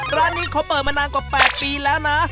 ร้านนี้เขาเปิดมานานกว่า๘ปีแล้วนะ